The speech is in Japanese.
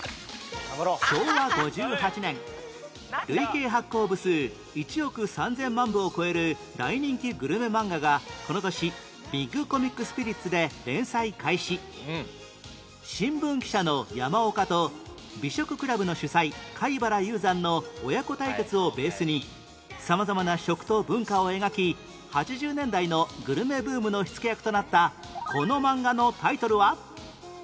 昭和５８年累計発行部数１億３０００万部を超える大人気グルメ漫画がこの年新聞記者の山岡と美食倶楽部の主宰海原雄山の親子対決をベースに様々な食と文化を描き８０年代のグルメブームの火付け役となったこの漫画のタイトルは？